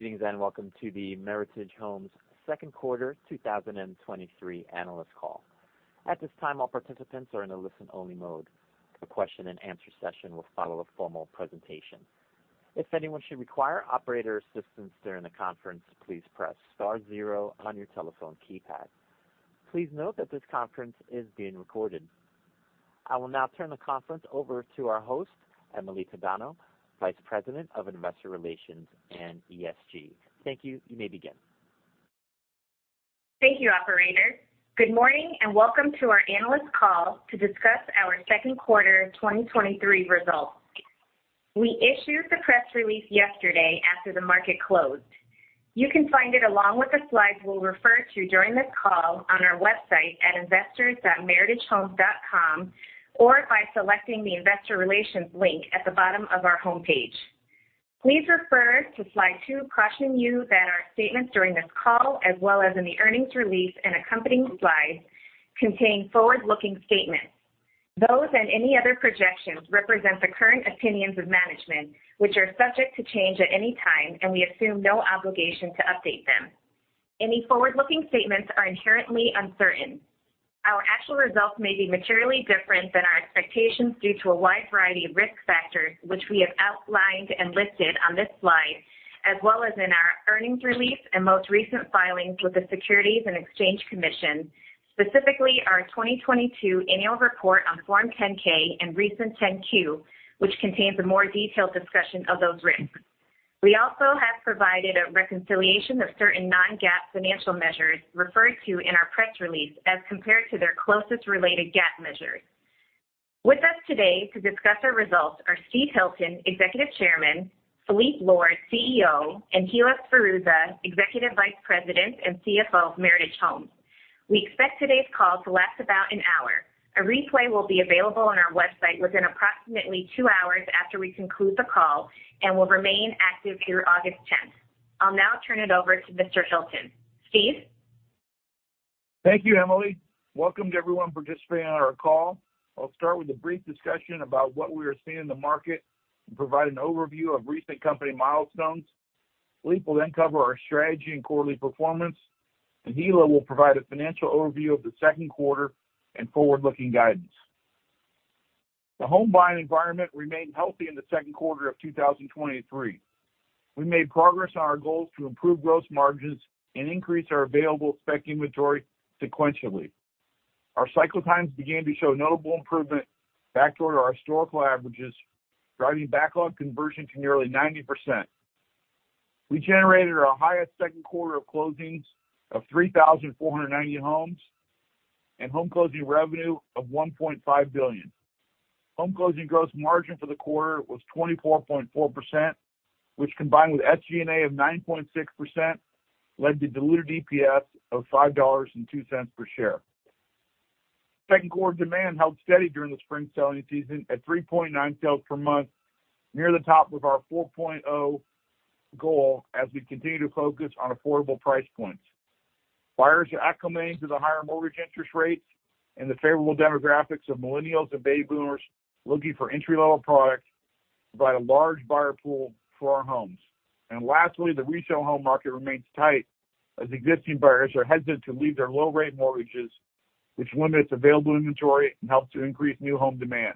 Greetings, and welcome to the Meritage Homes Second Quarter 2023 analyst call. At this time, all participants are in a listen-only mode. A question-and-answer session will follow a formal presentation. If anyone should require operator assistance during the conference, please press star 0 on your telephone keypad. Please note that this conference is being recorded. I will now turn the conference over to our host, Emily Tadano, Vice President of Investor Relations and ESG. Thank you. You may begin. Thank you, operator. Good morning, and welcome to our analyst call to discuss our second quarter 2023 results. We issued the press release yesterday after the market closed. You can find it, along with the slides we'll refer to during this call, on our website at investors.meritagehomes.com, or by selecting the Investor Relations link at the bottom of our homepage. Please refer to slide two, cautioning you that our statements during this call, as well as in the earnings release and accompanying slides, contain forward-looking statements. Those and any other projections represent the current opinions of management, which are subject to change at any time, and we assume no obligation to update them. Any forward-looking statements are inherently uncertain. Our actual results may be materially different than our expectations due to a wide variety of risk factors, which we have outlined and listed on this slide, as well as in our earnings release and most recent filings with the Securities and Exchange Commission, specifically our 2022 annual report on Form 10-K and recent 10-Q, which contains a more detailed discussion of those risks. We also have provided a reconciliation of certain non-GAAP financial measures referred to in our press release, as compared to their closest related GAAP measures. With us today to discuss our results are Steve Hilton, Executive Chairman, Phillippe Lord, CEO, and Hilla Sferruzza, Executive Vice President and CFO of Meritage Homes. We expect today's call to last about 1 hour. A replay will be available on our website within approximately two hours after we conclude the call and will remain active through August 10th. I'll now turn it over to Mr. Hilton. Steve? Thank you, Emily. Welcome to everyone participating on our call. I'll start with a brief discussion about what we are seeing in the market and provide an overview of recent company milestones. Phillippe will cover our strategy and quarterly performance, and Hilla will provide a financial overview of the second quarter and forward-looking guidance. The home buying environment remained healthy in the second quarter of 2023. We made progress on our goals to improve gross margins and increase our available spec inventory sequentially. Our cycle times began to show notable improvement back to our historical averages, driving backlog conversion to nearly 90%. We generated our highest second quarter of closings of 3,490 homes and home closing revenue of $1.5 billion. Home closing gross margin for the quarter was 24.4%, which, combined with SG&A of 9.6%, led to diluted EPS of $5.02 per share. Second quarter demand held steady during the spring selling season at 3.9 sales per month, near the top of our 4.0 goal as we continue to focus on affordable price points. Buyers are acclimating to the higher mortgage interest rates, the favorable demographics of millennials and baby boomers looking for entry-level products provide a large buyer pool for our homes. Lastly, the resale home market remains tight as existing buyers are hesitant to leave their low-rate mortgages, which limits available inventory and helps to increase new home demand.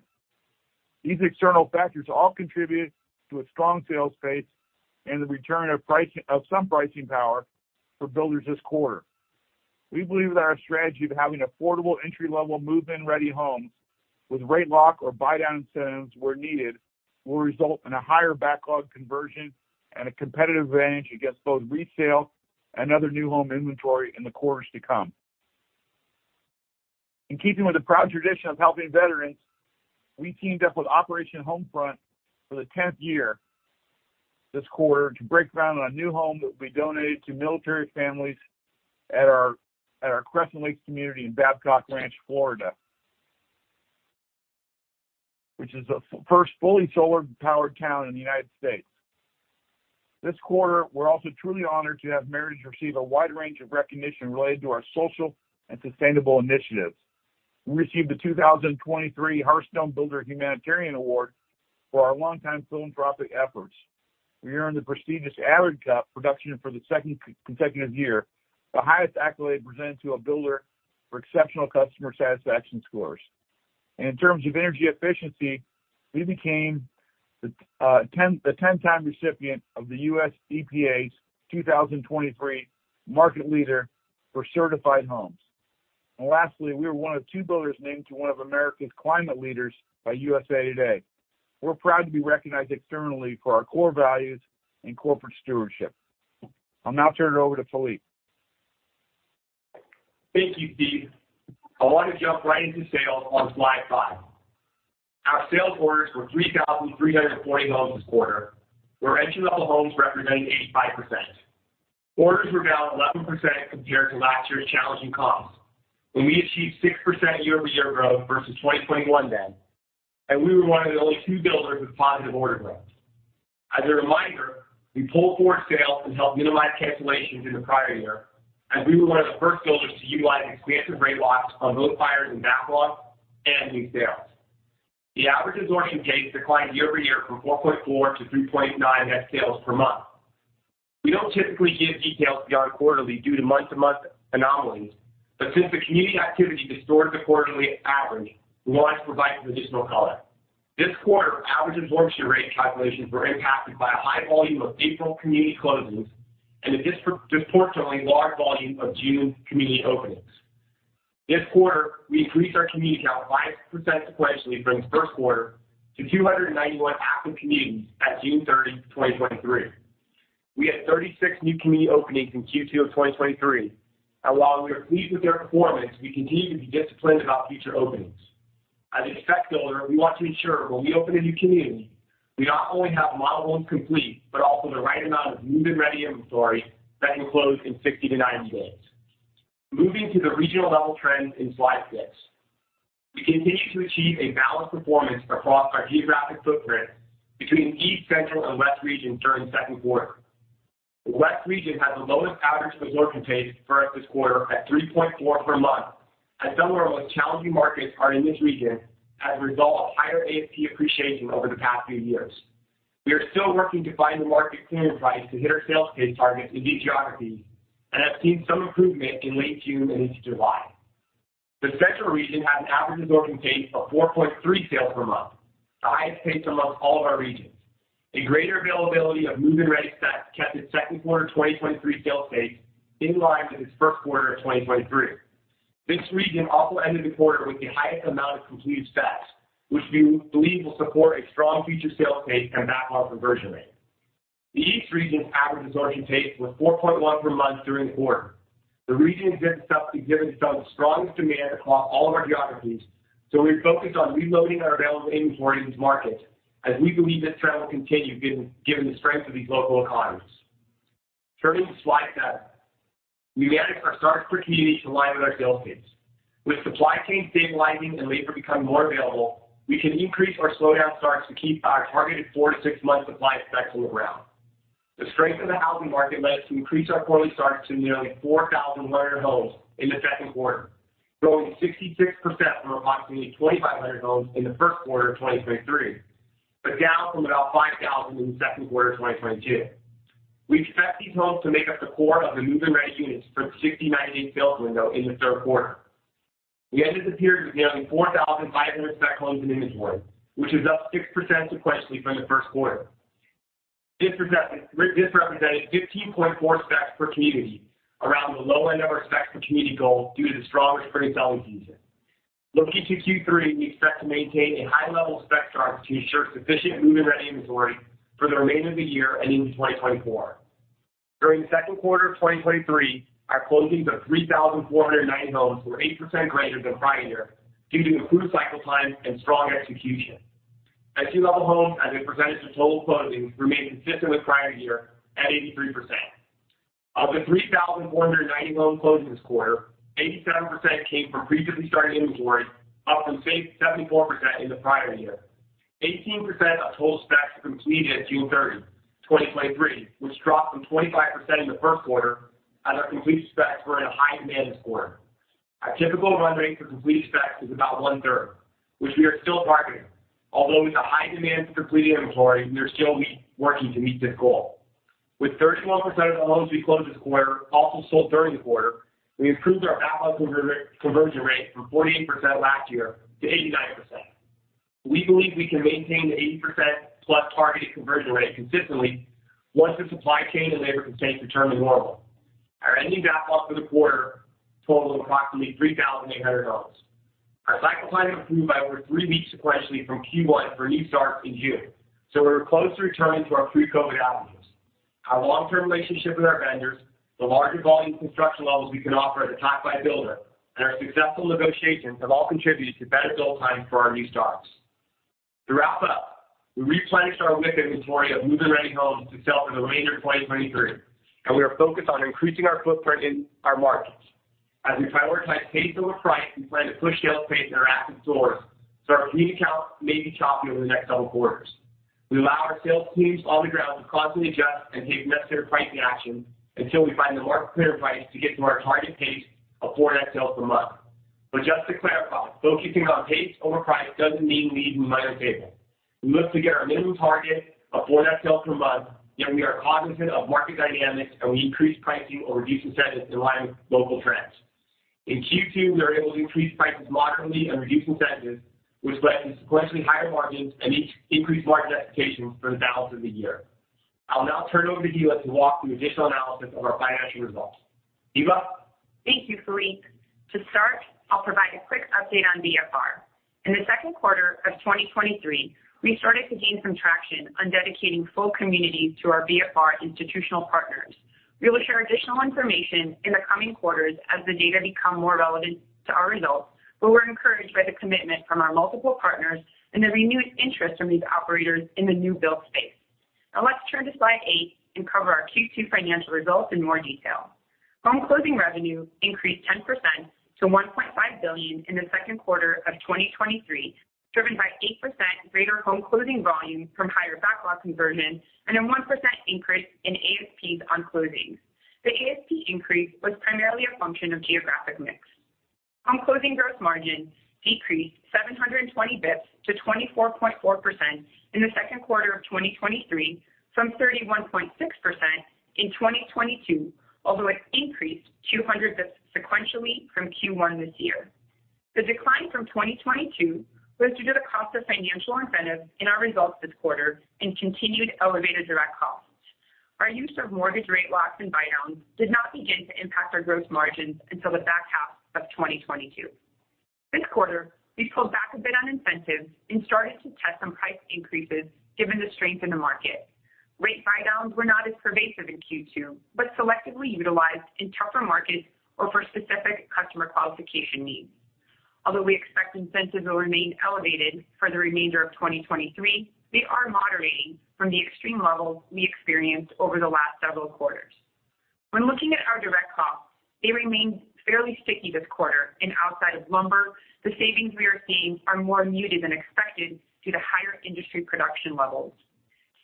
These external factors all contribute to a strong sales pace and the return of some pricing power for builders this quarter. We believe that our strategy of having affordable, entry-level, move-in-ready homes with rate lock or buydown incentives where needed, will result in a higher backlog conversion and a competitive advantage against both resale and other new home inventory in the quarters to come. In keeping with the proud tradition of helping veterans, we teamed up with Operation Homefront for the 10th year this quarter to break ground on a new home that will be donated to military families at our Crescent Lakes community in Babcock Ranch, Florida, which is the first fully solar-powered town in the U.S. This quarter, we're also truly honored to have Meritage receive a wide range of recognition related to our social and sustainable initiatives. We received the 2023 Hearthstone BUILDER Humanitarian Award for our longtime philanthropic efforts. We earned the prestigious AVID Cup-Production for the second consecutive year, the highest accolade presented to a builder for exceptional customer satisfaction scores. In terms of energy efficiency, we became the 10-time recipient of the U.S. EPA's 2023 Market Leader for Certified Homes. Lastly, we were one of two builders named to one of America's Climate Leaders by USA Today. We're proud to be recognized externally for our core values and corporate stewardship. I'll now turn it over to Phillippe. Thank you, Steve. I want to jump right into sales on slide 5. Our sales orders were 3,340 homes this quarter, where entry-level homes represented 85%. Orders were down 11% compared to last year's challenging comps, when we achieved 6% year-over-year growth versus 2021 then. We were 1 of the only 2 builders with positive order growth. As a reminder, we pulled forward sales to help minimize cancellations in the prior year, as we were 1 of the first builders to utilize expansive rate locks on both buyers and backlog and new sales....The average absorption pace declined year-over-year from 4.4 to 3.9 net sales per month. We don't typically give details beyond quarterly due to month-to-month anomalies. Since the community activity distorts the quarterly average, we want to provide some additional color. This quarter, average absorption rate calculations were impacted by a high volume of April community closings and a disproportionately large volume of June community openings. This quarter, we increased our community count by 6% sequentially from the first quarter to 291 active communities at June 30, 2023. We had 36 new community openings in Q2 of 2023, and while we are pleased with their performance, we continue to be disciplined about future openings. As a spec builder, we want to ensure when we open a new community, we not only have model homes complete, but also the right amount of move-in-ready inventory that can close in 60 to 90 days. Moving to the regional level trends in slide 6. We continue to achieve a balanced performance across our geographic footprint between East, Central, and West region during second quarter. The West region had the lowest average absorption pace for us this quarter at 3.4 per month, as some of our most challenging markets are in this region as a result of higher ASP appreciation over the past few years. We are still working to find the market clearing price to hit our sales pace targets in these geographies and have seen some improvement in late June and into July. The Central region had an average absorption pace of 4.3 sales per month, the highest pace among all of our regions. A greater availability of move-in-ready specs kept its second quarter 2023 sales pace in line with its first quarter of 2023. This region also ended the quarter with the highest amount of completed specs, which we believe will support a strong future sales pace and backlog conversion rate. The East region's average absorption pace was 4.1 per month during the quarter. The region has been subsequently given some of the strongest demand across all of our geographies. We're focused on reloading our available inventory in this market, as we believe this trend will continue given the strength of these local economies. Turning to slide 7. We managed our starts per community to align with our sales pace. With supply chain stabilizing and labor becoming more available, we can increase or slow down starts to keep our targeted 4 to 6 months supply of specs on the ground. The strength of the housing market led us to increase our quarterly starts to nearly 4,000 new homes in the second quarter, growing 66% from approximately 2,500 homes in the first quarter of 2023, down from about 5,000 in the second quarter of 2022. We expect these homes to make up the core of the move-in-ready units for the 60-90 sales window in the third quarter. We ended the period with nearly 4,500 spec homes in inventory, which is up 6% sequentially from the first quarter. This represented 15.4 specs per community around the low end of our specs per community goal due to the stronger spring selling season. Looking to Q3, we expect to maintain a high level of spec starts to ensure sufficient move-in-ready inventory for the remainder of the year and into 2024. During the second quarter of 2023, our closings of 3,490 homes were 8% greater than prior year due to improved cycle time and strong execution. entry-level homes, as a percentage of total closings, remained consistent with prior year at 83%. Of the 3,490 home closings this quarter, 87% came from previously started inventory, up from 74% in the prior year. 18% of total specs were completed as of June 30th, 2023, which dropped from 25% in the first quarter, as our complete specs were in a high demand this quarter. Our typical run rate for completed specs is about one-third, which we are still targeting. With the high demand for completed inventory, we are still working to meet this goal. With 31% of the homes we closed this quarter also sold during the quarter, we improved our backlog conversion rate from 48% last year to 89%. We believe we can maintain the 80%+ targeted conversion rate consistently once the supply chain and labor constraints return to normal. Our ending backlog for the quarter totaled approximately 3,800 homes. Our cycle time improved by over three weeks sequentially from Q1 for new starts in June, we're close to returning to our pre-COVID averages. Our long-term relationship with our vendors, the larger volume construction levels we can offer as a top five builder, and our successful negotiations have all contributed to better build time for our new starts. To wrap up, we replenished our WIP inventory of move-in-ready homes to sell for the remainder of 2023, and we are focused on increasing our footprint in our markets. As we prioritize pace over price, we plan to push sales pace in our active stores, our community count may be choppy over the next several quarters. We allow our sales teams on the ground to constantly adjust and take necessary pricing action until we find the market clearing price to get to our targeted pace of four net sales per month. Just to clarify, focusing on pace over price doesn't mean we leave money on the table. We look to get our minimum target of four net sales per month, yet we are cognizant of market dynamics, and we increase pricing or reduce incentives in line with local trends. In Q2, we were able to increase prices moderately and reduce incentives, which led to sequentially higher margins and increased margin expectation for the balance of the year. I'll now turn it over to Hilla to walk through additional analysis of our financial results. Hilla? Thank you, Phillippe. To start, I'll provide a quick update on BFR. In the second quarter of 2023, we started to gain some traction on dedicating full communities to our BFR institutional partners. We will share additional information in the coming quarters as the data become more relevant to our results, but we're encouraged by the commitment from our multiple partners and the renewed interest from these operators in the new-built space. Now, let's turn to slide 8 and cover our Q2 financial results in more detail. Home closing revenue increased 10% to $1.5 billion in the second quarter of 2023, driven by 8% greater home closing volume from higher backlog conversion and a 1% increase in ASPs on closings. The ASP increase was primarily a function of geographic mix. Home closing gross margin decreased 720 bps to 24.4% in the second quarter of 2023, from 31.6% in 2022, although it increased 200 bps sequentially from Q1 this year. The decline from 2022 was due to the cost of financial incentives in our results this quarter and continued elevated direct costs. Our use of mortgage rate locks and buydowns did not begin to impact our gross margins until the back half of 2022. This quarter, we pulled back a bit on incentives and started to test some price increases given the strength in the market. Rate buydowns were not as pervasive in Q2, but selectively utilized in tougher markets or for specific customer qualification needs. Although we expect incentives will remain elevated for the remainder of 2023, they are moderating from the extreme levels we experienced over the last several quarters. When looking at our direct costs, they remained fairly sticky this quarter, and outside of lumber, the savings we are seeing are more muted than expected due to higher industry production levels.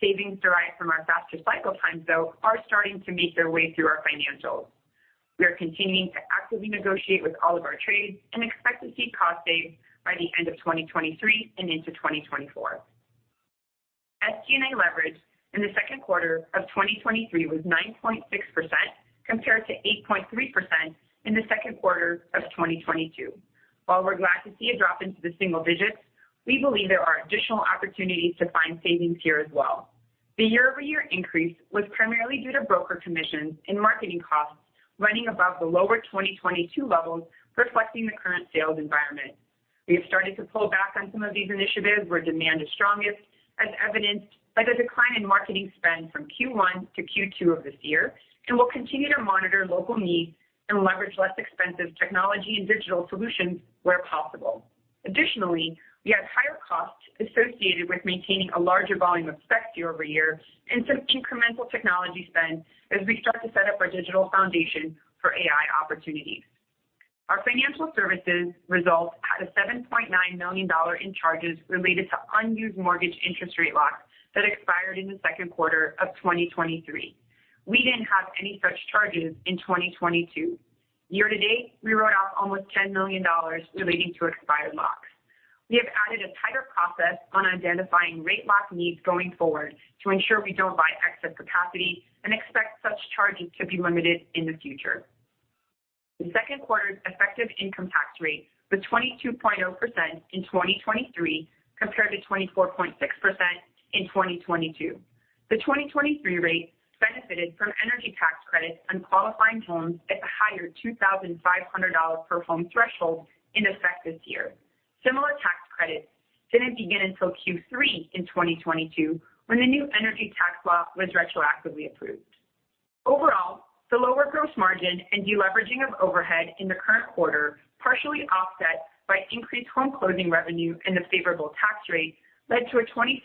Savings derived from our faster cycle times, though, are starting to make their way through our financials. We are continuing to actively negotiate with all of our trades and expect to see cost saves by the end of 2023 and into 2024. SG&A leverage in the second quarter of 2023 was 9.6%, compared to 8.3% in the second quarter of 2022. While we're glad to see a drop into the single digits, we believe there are additional opportunities to find savings here as well. The year-over-year increase was primarily due to broker commissions and marketing costs running above the lower 2022 levels, reflecting the current sales environment. We have started to pull back on some of these initiatives where demand is strongest, as evidenced by the decline in marketing spend from Q1 to Q2 of this year, and we'll continue to monitor local needs and leverage less expensive technology and digital solutions where possible. Additionally, we had higher costs associated with maintaining a larger volume of specs year-over-year and some incremental technology spend as we start to set up our digital foundation for AI opportunities. Our financial services results had a $7.9 million in charges related to unused mortgage interest rate locks that expired in the second quarter of 2023. We didn't have any such charges in 2022. Year to date, we wrote off almost $10 million relating to expired locks. We have added a tighter process on identifying rate lock needs going forward to ensure we don't buy excess capacity and expect such charges to be limited in the future. The second quarter's effective income tax rate was 22.0% in 2023, compared to 24.6% in 2022. The 2023 rate benefited from energy tax credits on qualifying homes at the higher $2,500 per home threshold in effect this year. Similar tax credits didn't begin until Q3 in 2022, when the new energy tax law was retroactively approved. Overall, the lower gross margin and deleveraging of overhead in the current quarter, partially offset by increased home closing revenue and a favorable tax rate, led to a 26%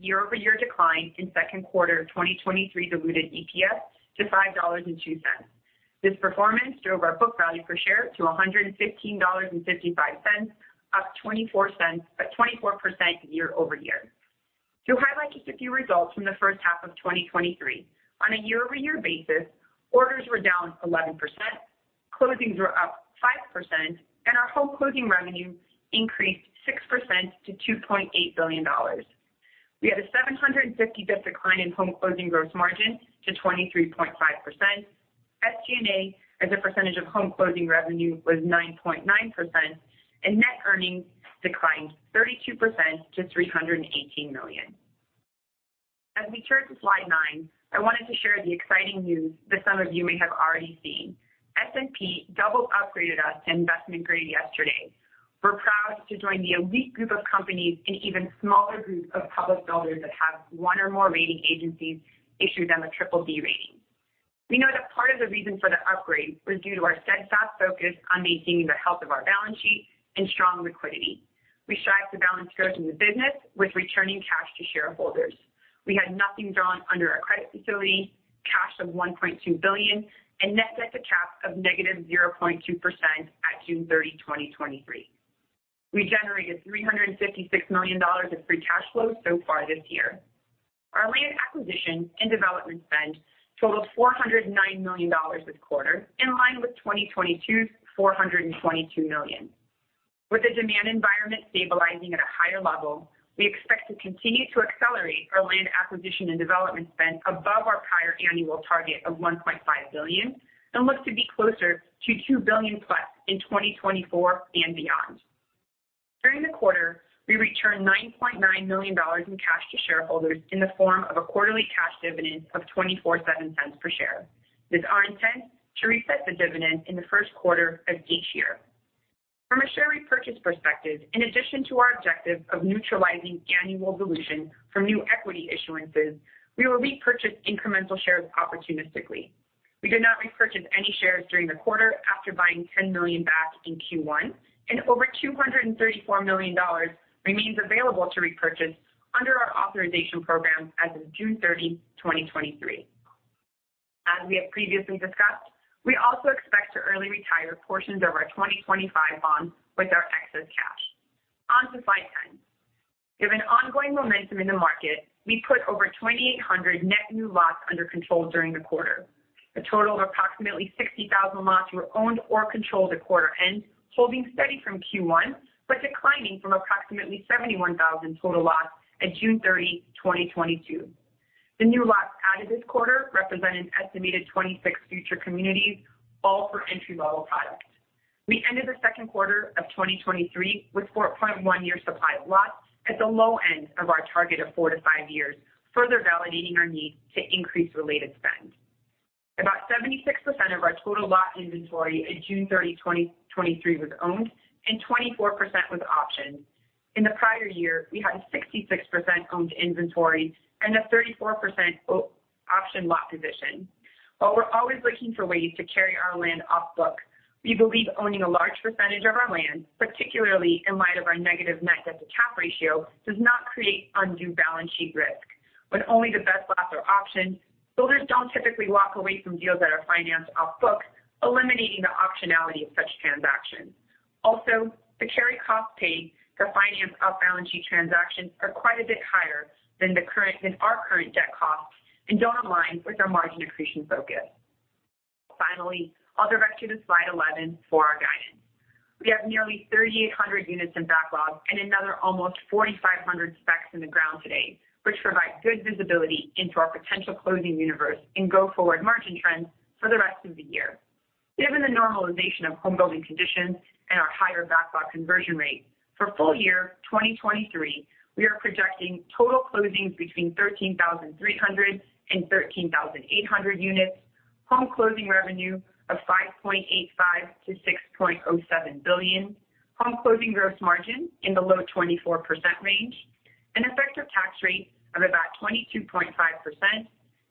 year-over-year decline in second quarter of 2023 diluted EPS to $5.02. This performance drove our book value per share to $115.55, up $0.24 at 24% year-over-year. To highlight just a few results from the first half of 2023, on a year-over-year basis, orders were down 11%, closings were up 5%, and our home closing revenue increased 6% to $2.8 billion. We had a 750 decline in home closing gross margin to 23.5%. SG&A, as a percentage of home closing revenue, was 9.9%. Net earnings declined 32% to $318 million. As we turn to slide 9, I wanted to share the exciting news that some of you may have already seen. S&P double-upgraded us to investment grade yesterday. We're proud to join the elite group of companies and even smaller group of public builders that have one or more rating agencies issue them a BBB rating. We know that part of the reason for the upgrade was due to our steadfast focus on maintaining the health of our balance sheet and strong liquidity. We strive to balance growth in the business with returning cash to shareholders. We had nothing drawn under our credit facility, cash of $1.2 billion, and net debt-to-cap of -0.2% at June 30, 2023. We generated $356 million of free cash flow so far this year. Our land acquisition and development spend totaled $409 million this quarter, in line with 2022's $422 million. With the demand environment stabilizing at a higher level, we expect to continue to accelerate our land acquisition and development spend above our prior annual target of $1.5 billion and look to be closer to $2 billion+ in 2024 and beyond. During the quarter, we returned $9.9 million in cash to shareholders in the form of a quarterly cash dividend of $0.247 per share. It's our intent to reset the dividend in the first quarter of each year. From a share repurchase perspective, in addition to our objective of neutralizing annual dilution from new equity issuances, we will repurchase incremental shares opportunistically. We did not repurchase any shares during the quarter after buying $10 million back in Q1, and over $234 million remains available to repurchase under our authorization program as of June 30, 2023. We have previously discussed, we also expect to early retire portions of our 2025 bonds with our excess cash. On to slide 10. Given ongoing momentum in the market, we put over 2,800 net new lots under control during the quarter. A total of approximately 60,000 lots were owned or controlled at quarter end, holding steady from Q1, but declining from approximately 71,000 total lots at June 30, 2022. The new lots added this quarter represent an estimated 26 future communities, all for entry-level product. We ended the second quarter of 2023 with 4.1 year supply of lots at the low end of our target of 4 to 5 years, further validating our need to increase related spend. About 76% of our total lot inventory at June 30, 2023 was owned, and 24% was optioned. In the prior year, we had a 66% owned inventory and a 34% option lot position. While we're always looking for ways to carry our land off book, we believe owning a large percentage of our land, particularly in light of our negative net debt-to-cap ratio, does not create undue balance sheet risk. When only the best lots are optioned, builders don't typically walk away from deals that are financed off book, eliminating the optionality of such transactions. Also, the carry costs paid for financed off-balance-sheet transactions are quite a bit higher than our current debt costs and don't align with our margin accretion focus. Finally, I'll direct you to slide 11 for our guidance. We have nearly 3,800 units in backlog and another almost 4,500 specs in the ground today, which provide good visibility into our potential closing universe and go-forward margin trends for the rest of the year. Given the normalization of homebuilding conditions and our higher backlog conversion rate, for full year 2023, we are projecting total closings between 13,300 and 13,800 units, home closing revenue of $5.85 billion-$6.07 billion, home closing gross margin in the low 24% range, an effective tax rate of about 22.5%,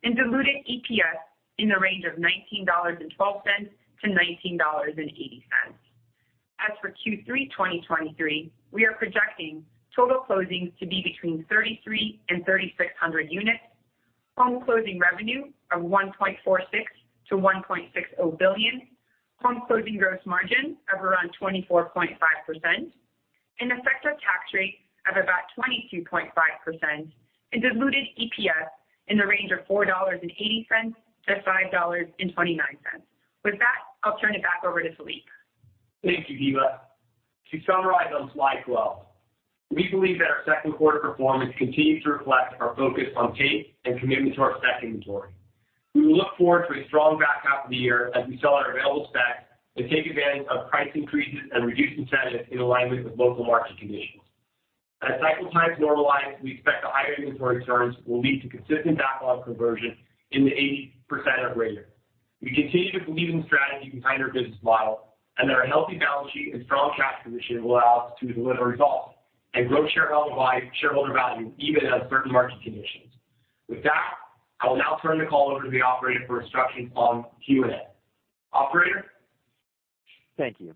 and diluted EPS in the range of $19.12-$19.80. As for Q3 2023, we are projecting total closings to be between 3,300-3,600 units, home closing revenue of $1.46 billion-$1.60 billion, home closing gross margin of around 24.5%, an effective tax rate of about 22.5%, diluted EPS in the range of $4.80-$5.29. With that, I'll turn it back over to Philippe. Thank you, Hilla. To summarize on slide 12, we believe that our second quarter performance continues to reflect our focus on pace and commitment to our spec inventory. We look forward to a strong back half of the year as we sell our available specs and take advantage of price increases and reduced incentives in alignment with local market conditions. As cycle times normalize, we expect the higher inventory turns will lead to consistent backlog conversion in the 80% or greater. We continue to believe in the strategy behind our business model, and that our healthy balance sheet and strong cash position will allow us to deliver results and grow shareholder value even in uncertain market conditions. With that, I will now turn the call over to the operator for instructions on Q&A. Operator? Thank you.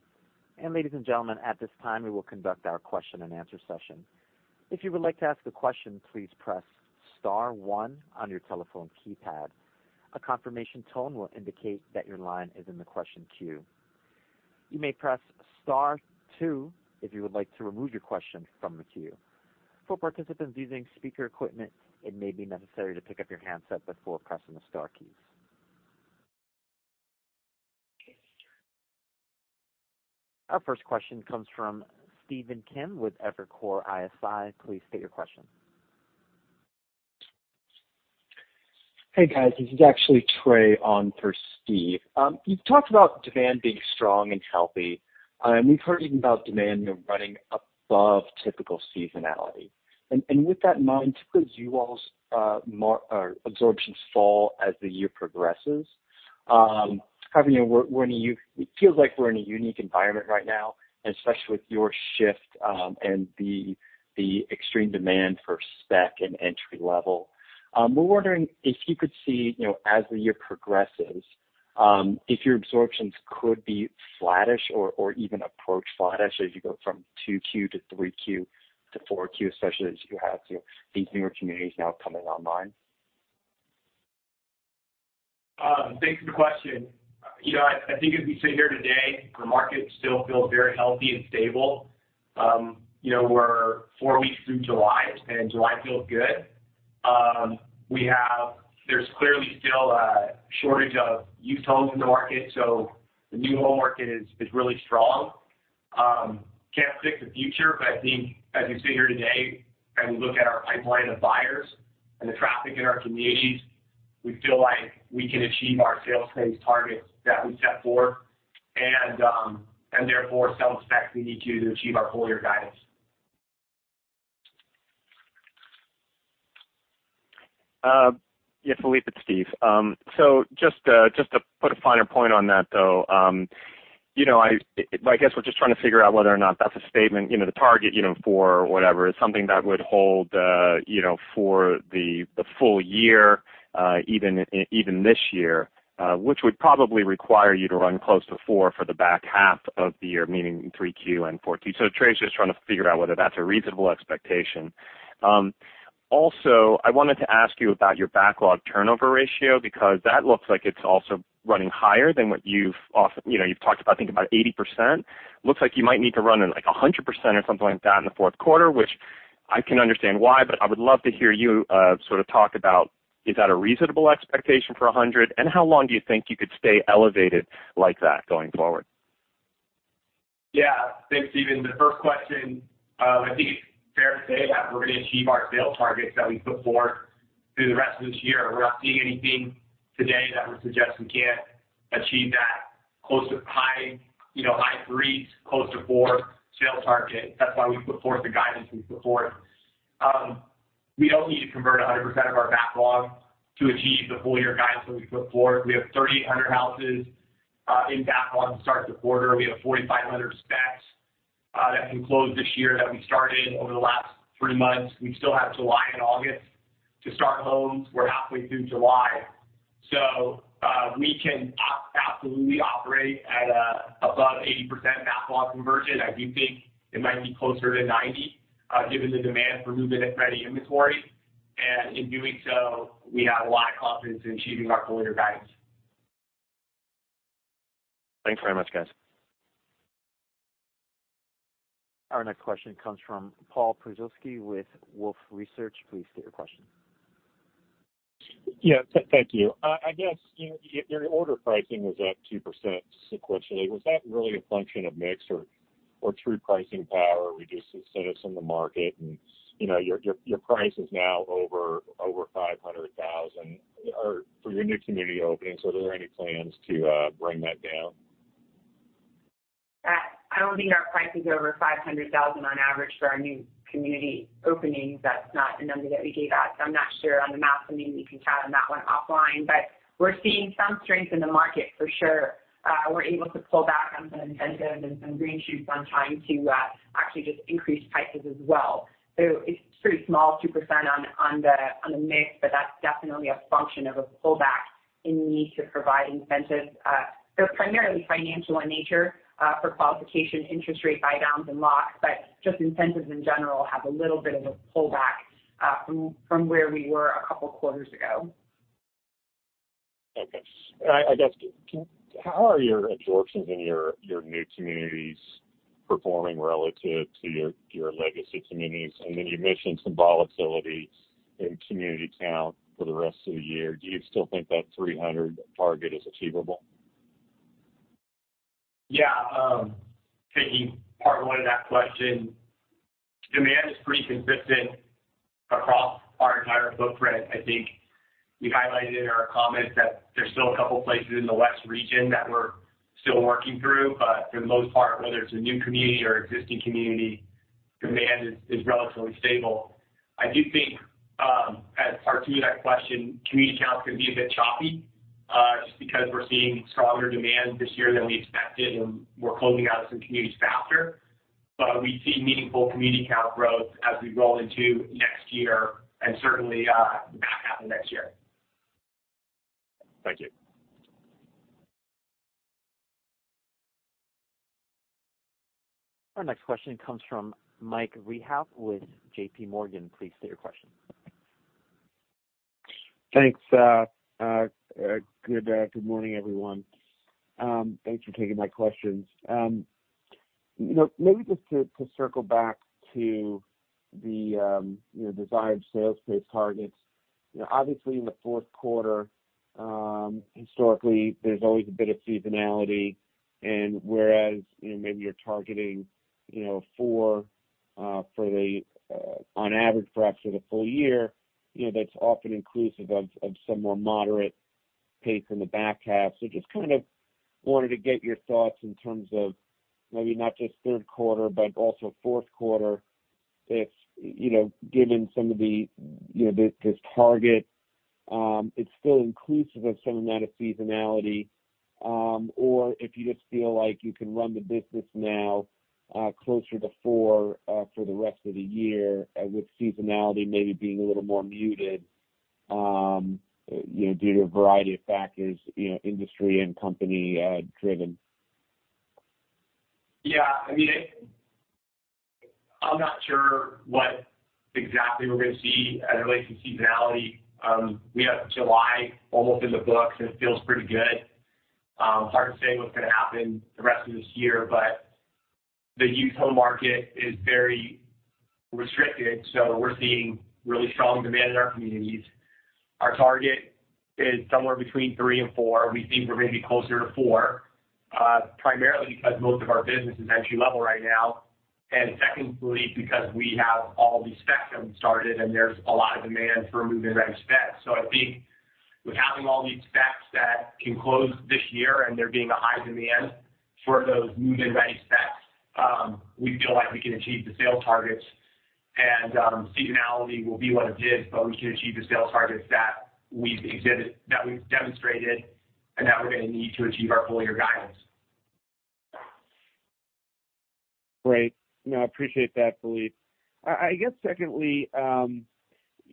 Ladies and gentlemen, at this time, we will conduct our question-and-answer session. If you would like to ask a question, please press star one on your telephone keypad. A confirmation tone will indicate that your line is in the question queue. You may press star two if you would like to remove your question from the queue. For participants using speaker equipment, it may be necessary to pick up your handset before pressing the star keys. Our first question comes from Stephen Kim with Evercore ISI. Please state your question. Hey, guys. This is actually Trey on for Stephen. You've talked about demand being strong and healthy, and we've heard even about demand, you know, running above typical seasonality. With that in mind, typically you all's absorptions fall as the year progresses. Kind of in a we're, we're in a it feels like we're in a unique environment right now, and especially with your shift, and the, the extreme demand for spec and entry level. We're wondering if you could see, you know, as the year progresses, if your absorptions could be flattish or, or even approach flattish as you go from two Q to three Q to four Q, especially as you have, you know, these newer communities now coming online? Thanks for the question. You know, I, I think as we sit here today, the market still feels very healthy and stable. You know, we're four weeks through July, and July feels good. There's clearly still a shortage of used homes in the market, so the new home market is, is really strong. Can't predict the future, but I think as we sit here today, and we look at our pipeline of buyers and the traffic in our communities, we feel like we can achieve our sales pace targets that we set forth, and, therefore, sell the specs we need to, to achieve our full year guidance. Yeah, Phillippe, it's Steve. Just to put a finer point on that, though, you know, I, I guess we're just trying to figure out whether or not that's a statement, you know, the target, you know, for whatever, is something that would hold, you know, for the, the full year, even this year, which would probably require you to run close to 4 for the back half of the year, meaning 3Q and 4Q. Trey's just trying to figure out whether that's a reasonable expectation. Also, I wanted to ask you about your backlog turnover ratio, because that looks like it's also running higher than what you've often, you know, you've talked about, I think about 80%. Looks like you might need to run in, like, 100% or something like that in the fourth quarter, which I can understand why, but I would love to hear you, sort of talk about, is that a reasonable expectation for 100? How long do you think you could stay elevated like that going forward? Yeah. Thanks, Steven. The first question, I think it's fair to say that we're going to achieve our sales targets that we put forward through the rest of this year. We're not seeing anything today that would suggest we can't achieve that close to high, you know, high 3s, close to 4 sales target. That's why we put forth the guidance we put forward. We don't need to convert 100% of our backlog to achieve the full year guidance that we put forward. We have 3,800 houses in backlog to start the quarter. We have 4,500 specs that can close this year that we started over the last 3 months. We still have July and August to start homes. We're halfway through July. We can absolutely operate at above 80% backlog conversion. I do think it might be closer to 90, given the demand for move-in-ready inventory, and in doing so, we have a lot of confidence in achieving our full year guidance. Thanks very much, guys. Our next question comes from Paul Przybylski with Wolfe Research. Please state your question. Yeah, thank you. I guess, you know, your, your order pricing was up 2% sequentially. Was that really a function of mix or, or true pricing power reducing incentives in the market? you know, your, your, your price is now over, over $500,000, or for your new community openings, are there any plans to bring that down? I don't think our price is over $500,000 on average for our new community openings. That's not a number that we gave out, I'm not sure on the math. Maybe we can chat on that one offline. We're seeing some strength in the market for sure. We're able to pull back on some incentives and some green shoots on trying to actually just increase prices as well. It's pretty small, 2% on, on the, on the mix, but that's definitely a function of a pullback in the need to provide incentives. They're primarily financial in nature, for qualification, interest rate buydowns and lock, but just incentives in general have a little bit of a pullback from, from where we were a couple of quarters ago. Okay. I, I guess, how are your absorptions in your, your new communities performing relative to your, your legacy communities? You mentioned some volatility in community count for the rest of the year. Do you still think that 300 target is achievable? Yeah, taking part 1 of that question, demand is pretty consistent across our entire footprint. I think we highlighted in our comments that there's still a couple places in the West region that we're still working through, but for the most part, whether it's a new community or existing community, demand is, is relatively stable. I do think, as part 2 of that question, community counts can be a bit choppy, just because we're seeing stronger demand this year than we expected, and we're closing out some communities faster. We see meaningful community count growth as we roll into next year and certainly, the back half of next year. Thank you. Our next question comes from Michael Rehaut with JP Morgan. Please state your question. Thanks. Good morning, everyone. Thanks for taking my questions. You know, maybe just to, to circle back to the, you know, desired sales pace targets. You know, obviously, in the fourth quarter, historically, there's always a bit of seasonality, and whereas, you know, maybe you're targeting, you know, 4, for the, on average for actually the full year, you know, that's often inclusive of, of some more moderate pace in the back half. Just kind of wanted to get your thoughts in terms of maybe not just 3rd quarter, but also 4th quarter, if, given some of the, this, this target, it's still inclusive of some amount of seasonality, or if you just feel like you can run the business now, closer to 4, for the rest of the year, with seasonality maybe being a little more muted, due to a variety of factors, industry and company, driven. Yeah, I mean, I'm not sure what exactly we're going to see as it relates to seasonality. We have July almost in the books, and it feels pretty good. Hard to say what's going to happen the rest of this year, but the used home market is very restricted, so we're seeing really strong demand in our communities. Our target is somewhere between 3 and 4. We think we're going to be closer to 4, primarily because most of our business is entry-level right now, and secondly, because we have all these specs that we've started, and there's a lot of demand for move-in-ready specs. I think with having all these specs that can close this year and there being a high demand for those move-in-ready specs, we feel like we can achieve the sales targets. Seasonality will be what it is, but we can achieve the sales targets that we've exhibited, that we've demonstrated, and that we're going to need to achieve our full year guidance. Great. No, I appreciate that, Phillippe. I guess secondly,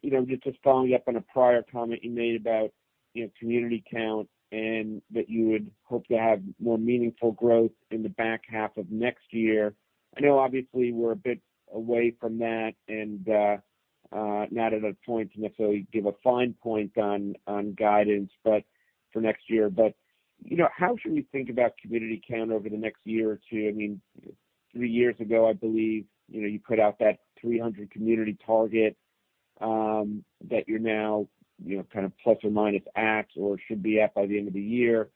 You know, just, just following up on a prior comment you made about, you know, community count, and that you would hope to have more meaningful growth in the back half of next year. I know, obviously, we're a bit away from that, and not at a point to necessarily give a fine point on, on guidance, but for next year. You know, how should we think about community count over the next year or two? I mean, 3 years ago, I believe, you know, you put out that 300 community target, that you're now, you know, kind of plus or minus at, or should be at by the end of the year.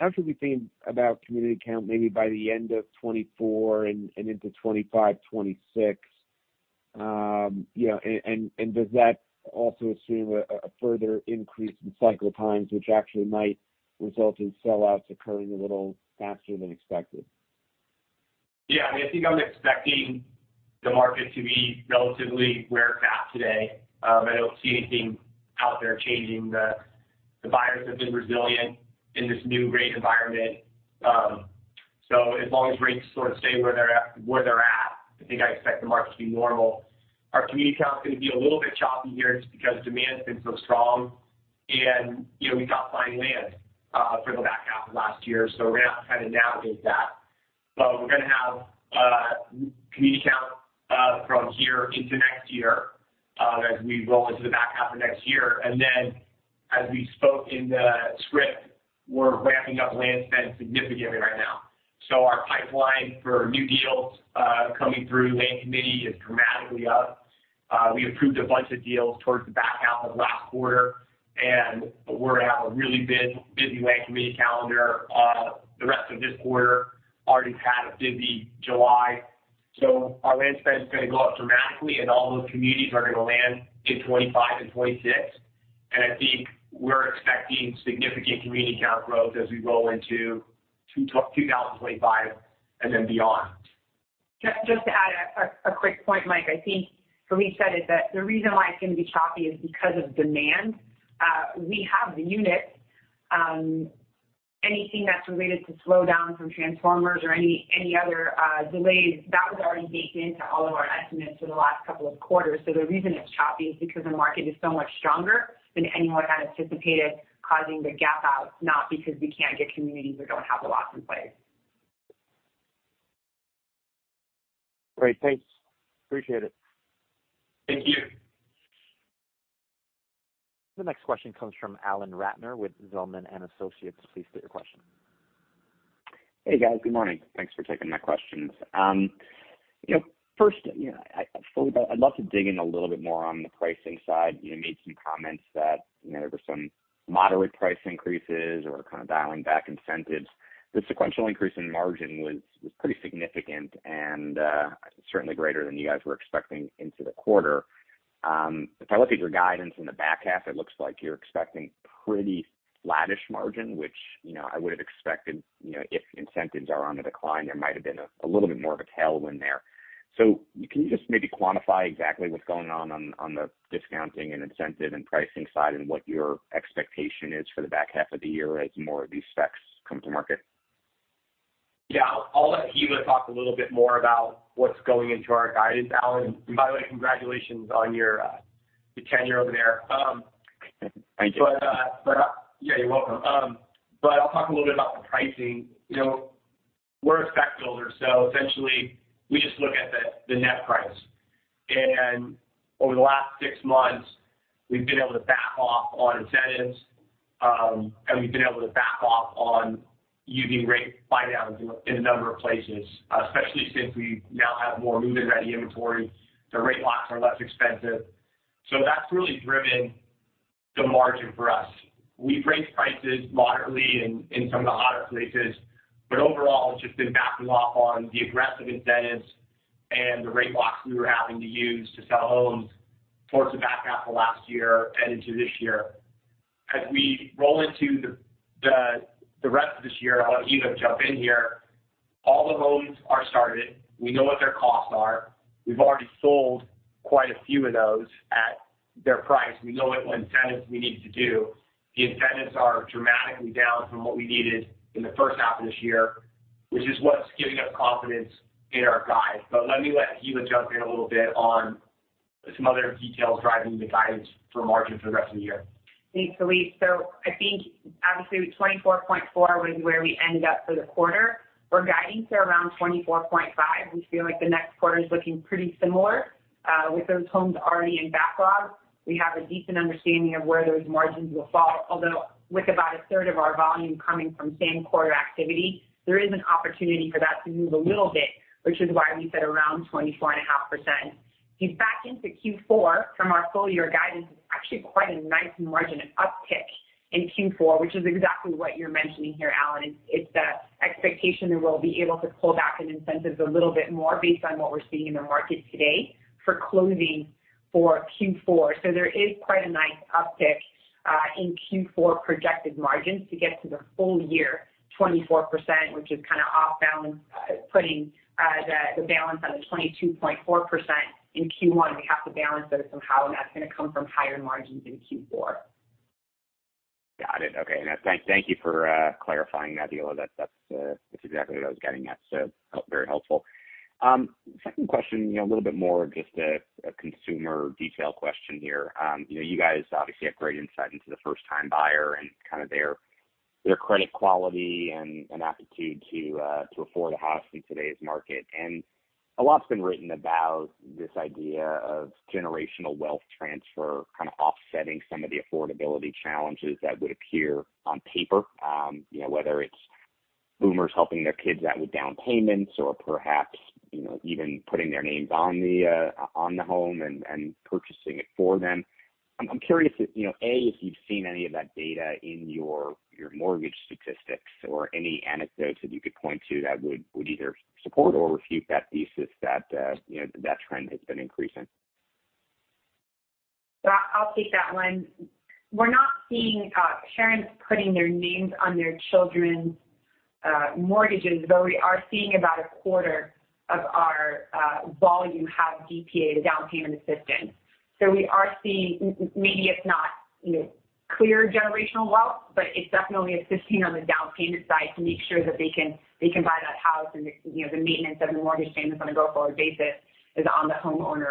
How should we think about community count maybe by the end of 2024 and into 2025, 2026? Yeah, and, and does that also assume a, a further increase in cycle times, which actually might result in sellouts occurring a little faster than expected? Yeah, I mean, I think I'm expecting the market to be relatively where it's at today. I don't see anything out there changing. The buyers have been resilient in this new rate environment. As long as rates sort of stay where they're at, where they're at, I think I expect the market to be normal. Our community count is going to be a little bit choppy here, just because demand has been so strong, and, you know, we stopped buying land for the back half of last year. We're going to have to kind of navigate that. We're going to have community count from here into next year, as we roll into the back half of next year. As we spoke in the script, we're ramping up land spend significantly right now. Our pipeline for new deals, coming through land committee is dramatically up. We approved a bunch of deals towards the back half of last quarter, and we're going to have a really busy, busy land committee calendar the rest of this quarter. Already had a busy July. Our land spend is going to go up dramatically, and all those communities are going to land in 2025 and 2026. I think we're expecting significant community count growth as we roll into 2025 and then beyond. Just, just to add a, a quick point, Mike. I think Philippe said it, that the reason why it's going to be choppy is because of demand. We have the units. Anything that's related to slowdown from transformers or any, any other, delays, that was already baked into all of our estimates for the last couple of quarters. The reason it's choppy is because the market is so much stronger than anyone had anticipated, causing the gap out, not because we can't get communities or don't have the lots in place. Great. Thanks. Appreciate it. Thank you. The next question comes from Alan Ratner with Zelman & Associates. Please state your question. Hey, guys. Good morning. Thanks for taking my questions. You know, first, you know, I'd love to dig in a little bit more on the pricing side. You made some comments that, you know, there were some moderate price increases or kind of dialing back incentives. The sequential increase in margin was, was pretty significant and, certainly greater than you guys were expecting into the quarter. If I look at your guidance in the back half, it looks like you're expecting pretty flattish margin, which, you know, I would have expected, you know, if incentives are on the decline, there might have been a, a little bit more of a tailwind there. Can you just maybe quantify exactly what's going on the discounting and incentive and pricing side, and what your expectation is for the back half of the year as more of these specs come to market? Yeah. I'll let Hilla talk a little bit more about what's going into our guidance, Alan. By the way, congratulations on your tenure over there. Thank you. Yeah, you're welcome. I'll talk a little bit about the pricing. You know, we're a spec builder, so essentially, we just look at the net price. Over the last 6 months, we've been able to back off on incentives, and we've been able to back off on using rate buy down in a number of places, especially since we now have more move-in-ready inventory. The rate locks are less expensive. That's really driven the margin for us. We've raised prices moderately in some of the hotter places, but overall, it's just been backing off on the aggressive incentives and the rate locks we were having to use to sell homes towards the back half of last year and into this year. As we roll into the rest of this year, I'll let Hilla jump in here. All the homes are started. We know what their costs are. We've already sold quite a few of those at their price. We know what incentives we need to do. The incentives are dramatically down from what we needed in the first half of this year, which is what's giving us confidence in our guide. Let me let Hilla jump in a little bit on some other details driving the guidance for margin for the rest of the year. Thanks, Philippe. I think obviously, 24.4% was where we ended up for the quarter. We're guiding to around 24.5%. We feel like the next quarter is looking pretty similar, with those homes already in backlog. We have a decent understanding of where those margins will fall, although with about a third of our volume coming from same-quarter activity, there is an opportunity for that to move a little bit, which is why we said around 24.5%. If you back into Q4 from our full year guidance, it's actually quite a nice margin, an uptick in Q4, which is exactly what you're mentioning here, Alan. It's the expectation that we'll be able to pull back on incentives a little bit more based on what we're seeing in the market today for closing for Q4. There is quite a nice uptick in Q4 projected margins to get to the full year, 24%, which is kind of off balance, putting the balance on the 22.4% in Q1. We have to balance that somehow, and that's going to come from higher margins in Q4. Got it. Okay, and thank, thank you for, clarifying that, Leela. That, that's, that's exactly what I was getting at, so, very helpful. Second question, you know, a little bit more of just a, a consumer detail question here. you know, you guys obviously have great insight into the first-time buyer and kind of their, their credit quality and, and aptitude to, to afford a house in today's market. And a lot's been written about this idea of generational wealth transfer, kind of offsetting some of the affordability challenges that would appear on paper. you know, whether it's boomers helping their kids out with down payments or perhaps, you know, even putting their names on the, on the home and, and purchasing it for them. I'm curious if, you know, A, if you've seen any of that data in your, your mortgage statistics or any anecdotes that you could point to that would, would either support or refute that thesis that, you know, that trend has been increasing? I, I'll take that one. We're not seeing parents putting their names on their children's mortgages, though we are seeing about a quarter of our volume have DPA, down payment assistance. We are seeing maybe it's not, you know, clear generational wealth, but it's definitely assisting on the down payment side to make sure that they can, they can buy that house and, you know, the maintenance of the mortgage payment on a go-forward basis is on the homeowner,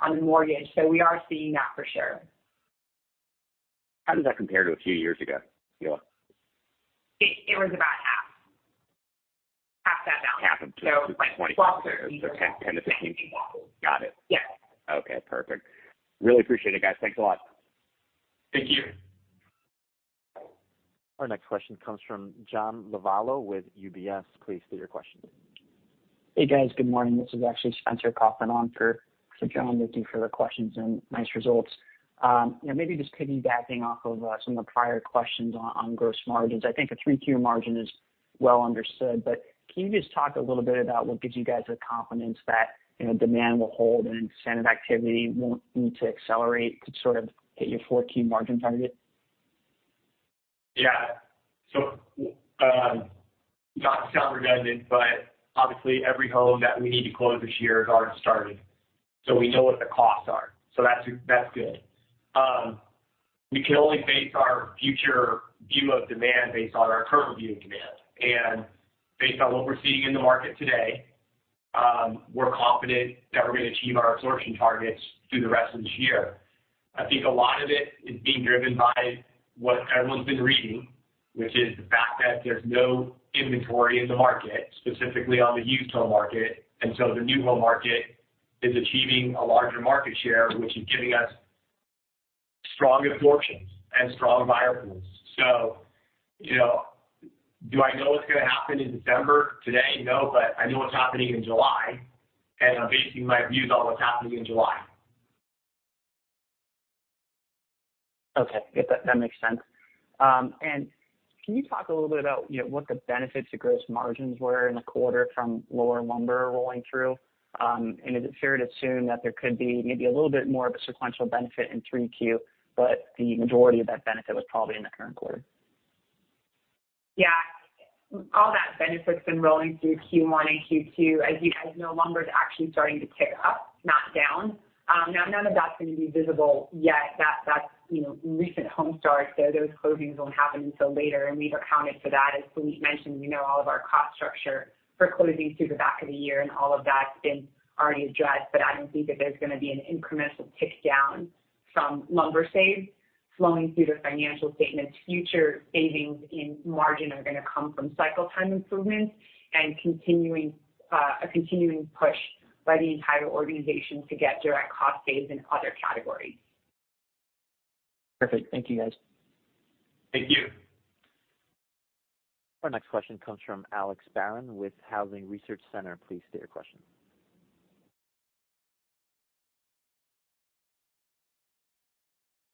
on the mortgage. We are seeing that for sure. How does that compare to a few years ago, Hilla? It was about half. Half that down. Half of so, like 20. 12 to 15. 10-15. Got it. Yes. Okay, perfect. Really appreciate it, guys. Thanks a lot. Thank you. Our next question comes from John Lovallo with UBS. Please state your question. Hey, guys. Good morning. This is actually Spencer Allaway on for, for John, looking for the questions and nice results. You know, maybe just piggybacking off of some of the prior questions on, on gross margins. I think a three-tier margin is well understood, but can you just talk a little bit about what gives you guys the confidence that, you know, demand will hold and incentive activity won't need to accelerate to sort of hit your 14% margin target? Yeah. Not to sound redundant, but obviously every home that we need to close this year has already started, so we know what the costs are. That's, that's good. We can only base our future view of demand based on our current view of demand. Based on what we're seeing in the market today, we're confident that we're going to achieve our absorption targets through the rest of this year. I think a lot of it is being driven by what everyone's been reading, which is the fact that there's no inventory in the market, specifically on the used home market. The new home market is achieving a larger market share, which is giving us strong absorptions and strong buyer pools. You know, do I know what's going to happen in December today? No, but I know what's happening in July, and I'm basing my views on what's happening in July. Okay, yeah, that, that makes sense. Can you talk a little bit about, you know, what the benefits of gross margins were in the quarter from lower lumber rolling through? Is it fair to assume that there could be maybe a little bit more of a sequential benefit in 3Q, but the majority of that benefit was probably in the current quarter? Yeah. All that benefit's been rolling through Q1 and Q2, as you guys know, lumber is actually starting to tick up, not down. Now, none of that's going to be visible yet. That, that's, you know, recent home starts, so those closings won't happen until later, and we've accounted for that. As Phillippe mentioned, we know all of our cost structure for closings through the back of the year. All of that's been already addressed. I don't think that there's going to be an incremental tick down from lumber saves flowing through the financial statements. Future savings in margin are going to come from cycle time improvements and continuing, a continuing push by the entire organization to get direct cost saves in other categories. Perfect. Thank you, guys. Thank you. Our next question comes from Alex Barron with Housing Research Center. Please state your question.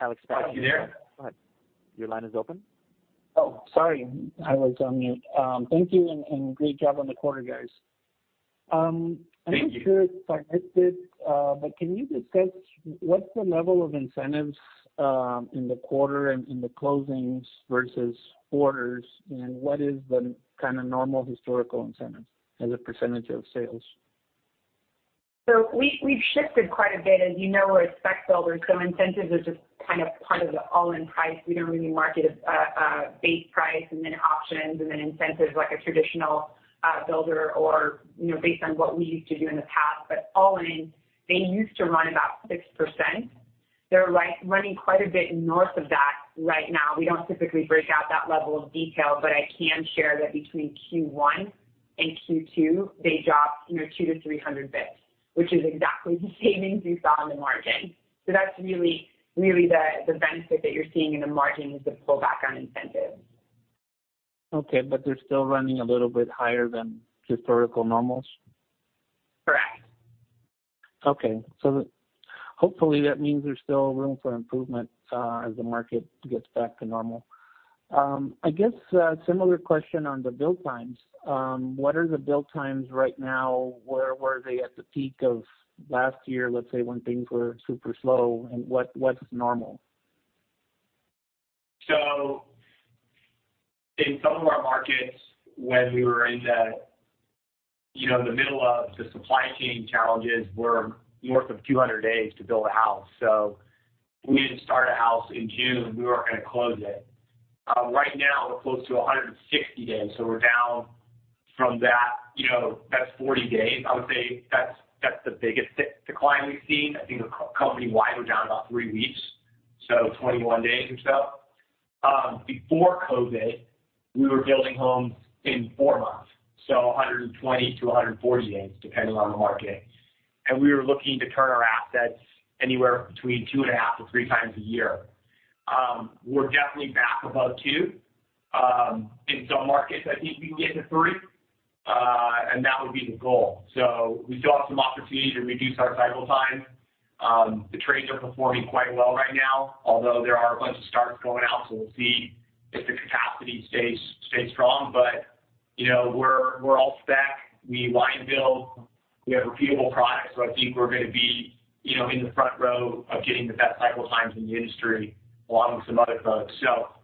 Alex Barron. Are you there? Go ahead. Your line is open. Oh, sorry, I was on mute. Thank you, and great job on the quarter, guys. Thank you. I'm not sure it's like this, but can you discuss what's the level of incentives, in the quarter and in the closings versus orders, and what is the kind of normal historical incentives as a % of sales? We, we've shifted quite a bit. As you know, we're a spec builder, incentives are just kind of part of the all-in price. We don't really market a, a base price and then options and then incentives like a traditional builder or, you know, based on what we used to do in the past. All in, they used to run about 6%. They're like running quite a bit north of that right now. We don't typically break out that level of detail, I can share that between Q1 and Q2, they dropped, you know, 200-300 bps, which is exactly the savings we saw in the margin. That's really, really the, the benefit that you're seeing in the margin, is the pull back on incentives. Okay, they're still running a little bit higher than historical normals? Correct. Okay. Hopefully that means there's still room for improvement, as the market gets back to normal. I guess, similar question on the build times. What are the build times right now? Where were they at the peak of last year, let's say, when things were super slow, and what, what's normal? In some of our markets, when we were in the, you know, the middle of the supply chain challenges, were north of 200 days to build a house. We need to start a house in June, we weren't gonna close it. Right now, we're close to 160 days, so we're down from that, you know, that's 40 days. I would say that's the biggest decline we've seen. I think company-wide, we're down about 3 weeks, so 21 days or so. Before COVID, we were building homes in 4 months, so 120-140 days, depending on the market. We were looking to turn our assets anywhere between 2.5-3 times a year. We're definitely back above 2. In some markets, I think we can get to 3, and that would be the goal. We still have some opportunities to reduce our cycle time. The trades are performing quite well right now, although there are a bunch of starts going out, so we'll see if the capacity stays, stays strong. You know, we're, we're all spec. We line build, we have repeatable products, so I think we're gonna be, you know, in the front row of getting the best cycle times in the industry, along with some other folks.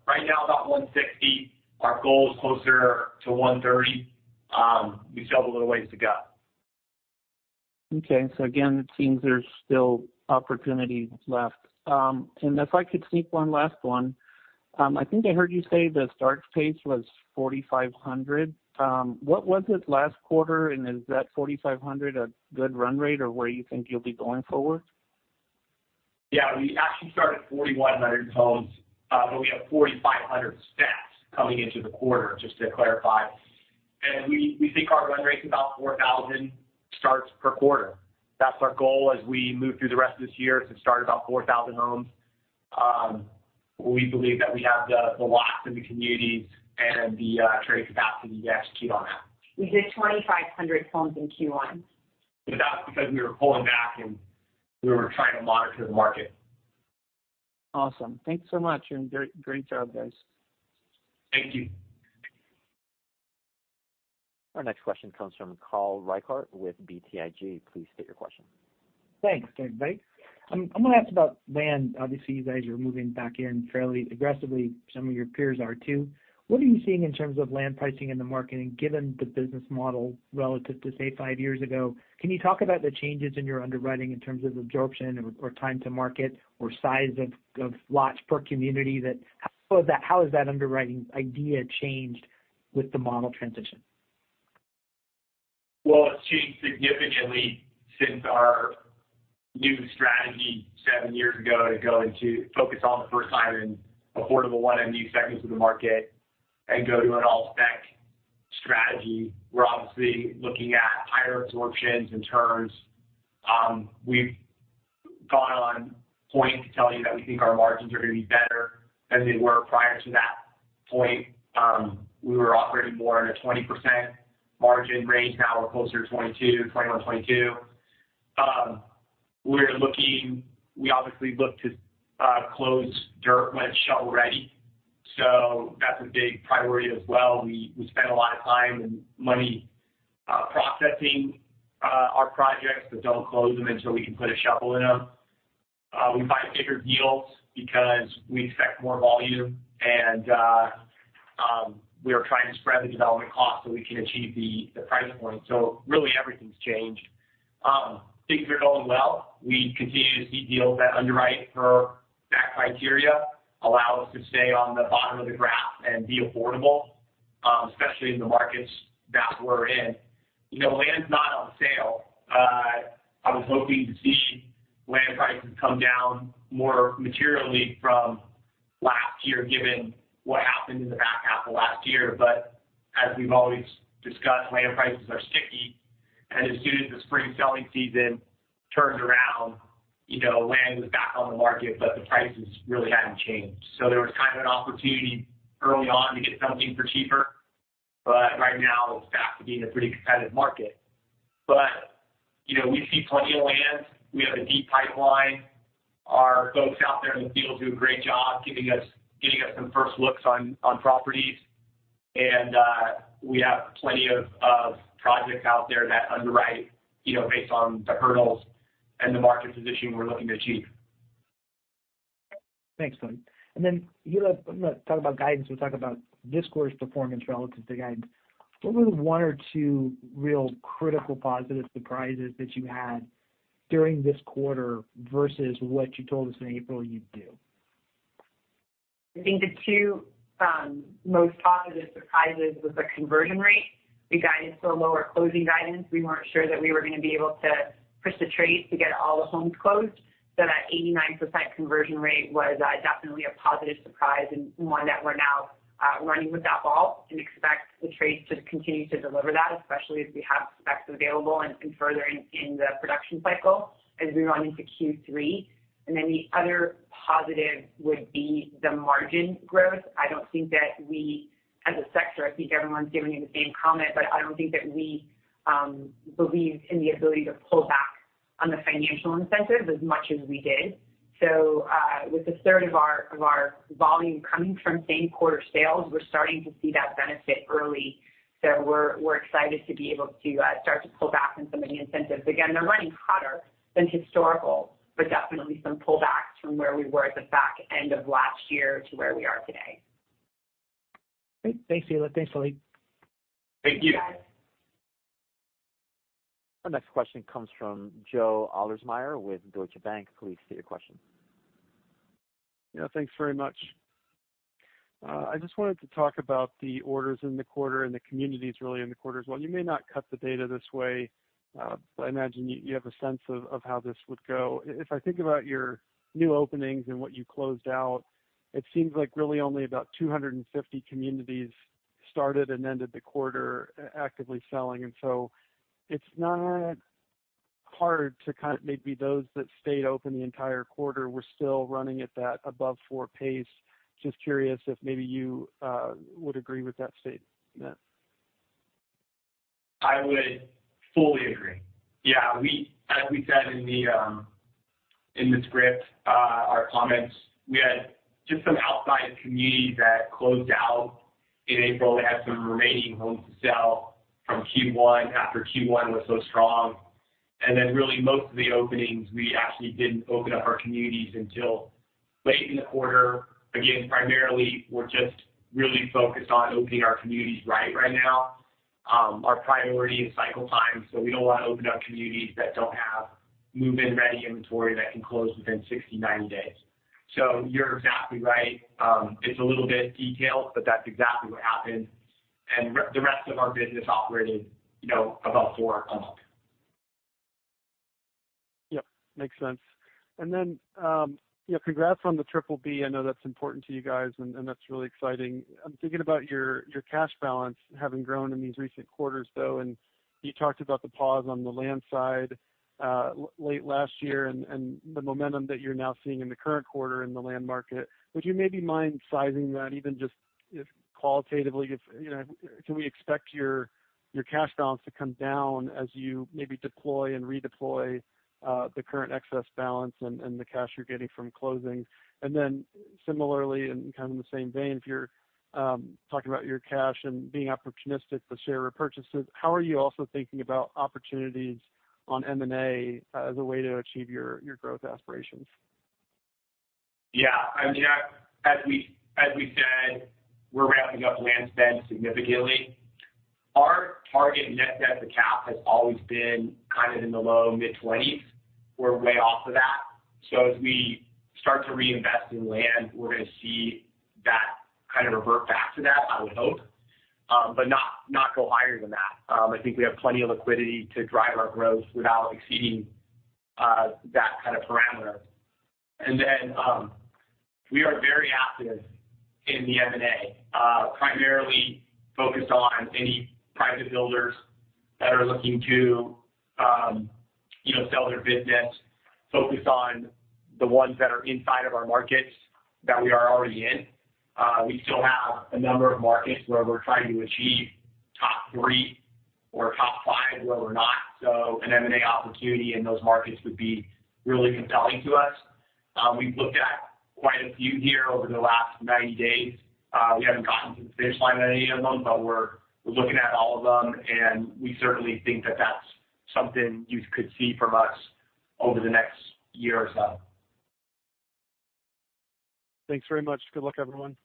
Right now, about 160, our goal is closer to 130. We still have a little ways to go. Okay. Again, it seems there's still opportunities left. If I could sneak one last one. I think I heard you say the start pace was 4,500. What was it last quarter, and is that 4,500 a good run rate or where you think you'll be going forward? Yeah, we actually started 4,100 homes, but we have 4,500 spec homes coming into the quarter, just to clarify. We, we think our run rate's about 4,000 starts per quarter. That's our goal as we move through the rest of this year, to start about 4,000 homes. We believe that we have the, the lots in the communities and the trade capacity to execute on that. We did 2,500 homes in Q1. That's because we were pulling back, and we were trying to monitor the market. Awesome. Thank you so much. Great, great job, guys. Thank you. Our next question comes from Carl Reichardt with BTIG. Please state your question. Thanks, Dave. I'm gonna ask about land. Obviously, you guys are moving back in fairly aggressively. Some of your peers are, too. What are you seeing in terms of land pricing in the market? Given the business model relative to, say, five years ago, can you talk about the changes in your underwriting in terms of absorption or time to market or size of lots per community? How has that underwriting idea changed with the model transition? Well, it's changed significantly since our new strategy 7 years ago, to go into focus on the first time and affordable one and new segments of the market and go to an all-spec strategy. We're obviously looking at higher absorptions and turns. We've gone on point to tell you that we think our margins are going to be better than they were prior to that point. We were operating more in a 20% margin range. Now we're closer to 22, 21, 22. We obviously look to close dirt when it's shovel-ready, that's a big priority as well. We, we spend a lot of time and money processing our projects, don't close them until we can put a shovel in them. We find bigger deals because we expect more volume and we are trying to spread the development costs, so we can achieve the, the price point. Really, everything's changed. Things are going well. We continue to see deals that underwrite for that criteria, allow us to stay on the bottom of the graph and be affordable, especially in the markets that we're in. You know, land's not on sale. I was hoping to see land prices come down more materially from last year, given what happened in the back half of last year. As we've always discussed, land prices are sticky, and as soon as the spring selling season turned around, you know, land was back on the market, but the prices really hadn't changed. There was kind of an opportunity early on to get something for cheaper, but right now, it's back to being a pretty competitive market. You know, we see plenty of land. We have a deep pipeline. Our folks out there in the field do a great job, getting us some first looks on, on properties. We have plenty of projects out there that underwrite, you know, based on the hurdles and the market position we're looking to achieve. Thanks, Billy. Then, Hilla, I'm gonna talk about guidance. We'll talk about this quarter's performance relative to guidance. What were the one or two real critical positive surprises that you had during this quarter versus what you told us in April you'd do? I think the two most positive surprises was the conversion rate. We guided to a lower closing guidance. We weren't sure that we were gonna be able to push the trades to get all the homes closed. That 89% conversion rate was definitely a positive surprise and one that we're now running with that ball and expect the trades to continue to deliver that, especially as we have specs available and further in the production cycle as we run into Q3. The other positive would be the margin growth. I don't think that we, as a sector, I think everyone's giving you the same comment, but I don't think that we believed in the ability to pull back on the financial incentives as much as we did. With a third of our, of our volume coming from same-quarter sales, we're starting to see that benefit early. We're, we're excited to be able to start to pull back on some of the incentives. Again, they're running hotter than historical, but definitely some pullbacks from where we were at the back end of last year to where we are today. Great. Thanks, Hilla. Thanks, Billy. Thank you. Our next question comes from Joe Ahlersmeyer with Deutsche Bank. Please state your question. Yeah, thanks very much. I just wanted to talk about the orders in the quarter and the communities really in the quarter as well. You may not cut the data this way. I imagine you, you have a sense of, of how this would go. If I think about your new openings and what you closed out, it seems like really only about 250 communities started and ended the quarter actively selling. It's not hard to maybe those that stayed open the entire quarter were still running at that above 4 pace. Just curious if maybe you would agree with that statement? I would fully agree. Yeah, as we said in the in the script, our comments, we had just some outside communities that closed out in April. They had some remaining homes to sell from Q1 after Q1 was so strong. Really, most of the openings, we actually didn't open up our communities until late in the quarter. Again, primarily, we're just really focused on opening our communities right, right now. Our priority is cycle time, so we don't want to open up communities that don't have move-in-ready inventory that can close within 60, 90 days. So you're exactly right. It's a little bit detailed, but that's exactly what happened. The rest of our business operated, you know, about four a month. Yep, makes sense. Then, yeah, congrats on the BBB. I know that's important to you guys, and that's really exciting. I'm thinking about your, your cash balance having grown in these recent quarters, though, and you talked about the pause on the land side, late last year, and the momentum that you're now seeing in the current quarter in the land market. Would you maybe mind sizing that, even just if qualitatively, if, you know, can we expect your, your cash balance to come down as you maybe deploy and redeploy, the current excess balance and the cash you're getting from closings? Similarly, and kind of in the same vein, if you're talking about your cash and being opportunistic with share repurchases, how are you also thinking about opportunities on M&A as a way to achieve your, your growth aspirations? Yeah, I mean, I as we, as we said, we're ramping up land spend significantly. Our target net debt-to-cap has always been kind of in the low mid-20s. We're way off of that. As we start to reinvest in land, we're gonna see that kind of revert back to that, I would hope, but not, not go higher than that. I think we have plenty of liquidity to drive our growth without exceeding that kind of parameter. Then we are very active in the M&A, primarily focused on any private builders that are looking to, you know, sell their business, focused on the ones that are inside of our markets that we are already in. We still have a number of markets where we're trying to achieve top three or top five, where we're not. An M&A opportunity in those markets would be really compelling to us. We've looked at quite a few here over the last 90 days. We haven't gotten to the finish line on any of them, but we're, we're looking at all of them, and we certainly think that that's something you could see from us over the next year or so. Thanks very much. Good luck, everyone.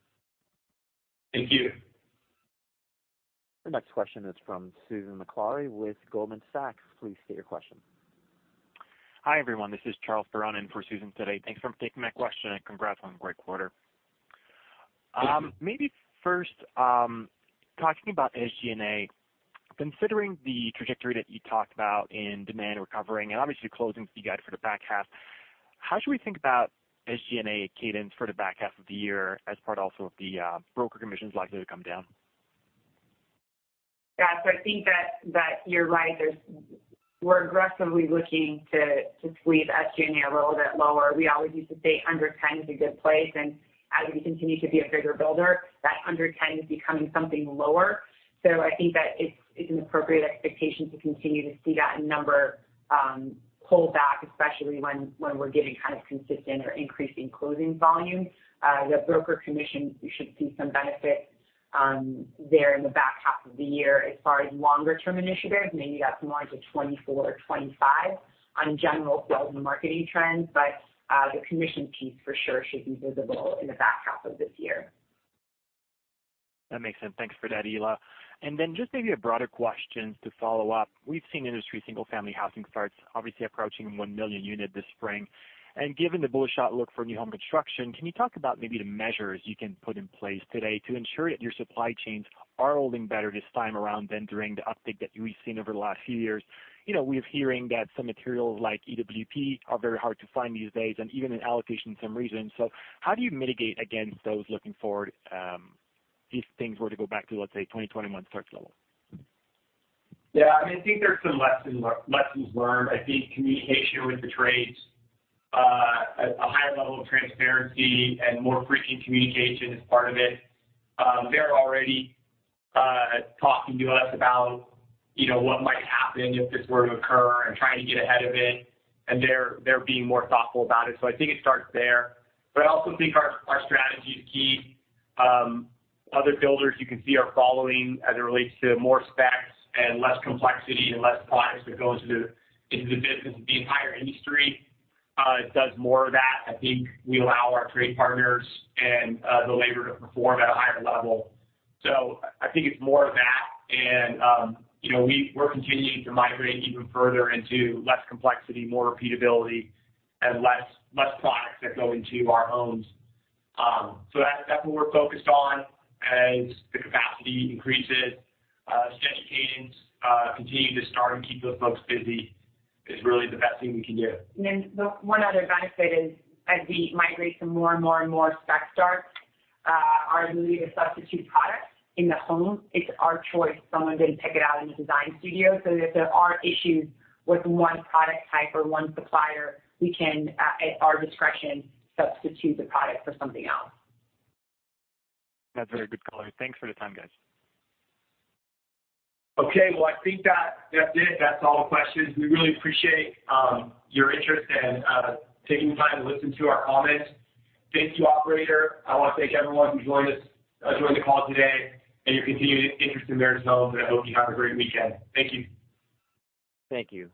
Thank you. Our next question is from Susan Maklari with Goldman Sachs. Please state your question. Hi, everyone. This is Charles Dane in for Susan today. Thanks for taking my question, and congrats on a great quarter. Thank you. Maybe first, talking about SG&A, considering the trajectory that you talked about in demand recovering and obviously the closing you got for the back half, how should we think about SG&A cadence for the back half of the year as part also of the broker commissions likely to come down? Yeah, I think that, that you're right. There's we're aggressively looking to squeeze SG&A a little bit lower. We always used to say under 10 is a good place, and as we continue to be a bigger builder, that under 10 is becoming something lower. I think that it's, it's an appropriate expectation to continue to see that number pull back, especially when, when we're getting kind of consistent or increasing closing volumes. The broker commission, you should see some benefit there in the back half of the year. As far as longer term initiatives, maybe that's more into 2024 or 2025 on general sales and marketing trends, but the commission piece for sure should be visible in the back half of this year. That makes sense. Thanks for that, Hilla. Just maybe a broader question to follow up. We've seen industry single-family housing starts obviously approaching 1 million units this spring. Given the bullish outlook for new home construction, can you talk about maybe the measures you can put in place today to ensure that your supply chains are holding better this time around than during the uptick that we've seen over the last few years? You know, we're hearing that some materials like EWP are very hard to find these days, and even in allocation in some regions. How do you mitigate against those looking forward, if things were to go back to, let's say, 2021 search level? Yeah, I mean, I think there's some lessons learned. I think communication with the trades, a higher level of transparency and more frequent communication is part of it. They're already talking to us about, you know, what might happen if this were to occur and trying to get ahead of it, and they're, they're being more thoughtful about it. I think it starts there, but I also think our strategy is key. Other builders you can see are following as it relates to more specs and less complexity and less products that go into the business. The entire industry does more of that. I think we allow our trade partners and the labor to perform at a higher level. I think it's more of that, and, you know, we're continuing to migrate even further into less complexity, more repeatability, and less, less products that go into our homes. That's, that's what we're focused on as the capacity increases. Schedule cadence, continuing to start and keep those folks busy is really the best thing we can do. The one other benefit is, as we migrate to more and more and more spec starts, our ability to substitute products in the home, it's our choice. Someone didn't pick it out in the design studio, so if there are issues with one product type or one supplier, we can, at, at our discretion, substitute the product for something else. That's a very good color. Thanks for the time, guys. Okay, well, I think that, that's it. That's all the questions. We really appreciate your interest and taking the time to listen to our comments. Thank you, operator. I want to thank everyone who joined us, joined the call today and your continued interest in Meritage Homes. I hope you have a great weekend. Thank you. Thank you.